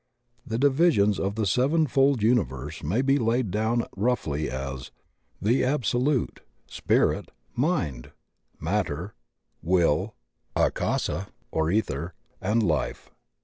The divisions of the sevenfold universe may be laid down roughly as: The Absolute, Spirit, Mind, Matter, Will, Akasa or iEther, and Life.